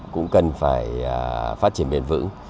cũng cần phải phát triển bền vững